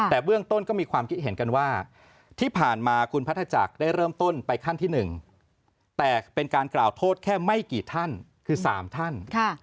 แต่เบื้องต้นก็มีความคิดเห็นกันว่าที่ผ่านมาคุณพัทธจักรได้เริ่มต้นไปขั้นที่๑แต่เป็นการกล่าวโทษแค่ไม่กี่ท่านคือ๓ท่าน